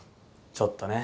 ちょっとね。